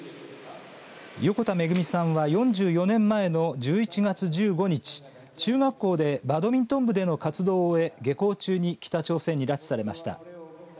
横田めぐみさんは４４年前の１１月１５日中学校でバドミントン部での活動を終え下校中に北朝鮮に拉致されました。